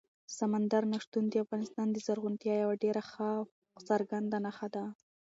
سمندر نه شتون د افغانستان د زرغونتیا یوه ډېره ښه او څرګنده نښه ده.